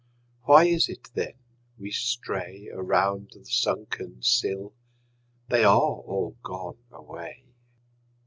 Why is it then we stray Around the sunken sill? They are all gone away.